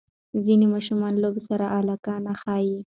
ځینې ماشومان لوبو سره علاقه نه ښیي.